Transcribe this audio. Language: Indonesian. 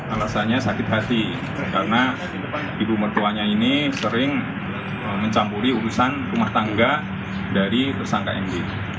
alasannya sakit hati karena ibu mertuanya ini sering mencampuri urusan rumah tangga dari tersangka md